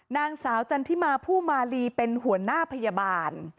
นางสาวจันทิมาผู้มาลีเป็นหัวหน้าพยาบาล